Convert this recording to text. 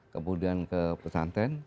kemudian ke pesanten